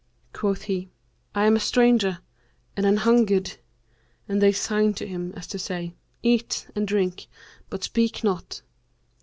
Quoth he, 'I am a stranger and anhungered;' and they signed to him, as to say, 'Eat and drink, but speak not.'